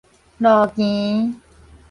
路墘